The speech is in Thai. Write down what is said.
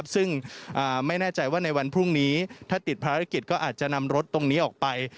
ซึ่งไม่แน่ใจว่าในวันพรุ่งนี้ถ้าติดภารกิจก็อาจจะนำรถตรงนี้ออกไป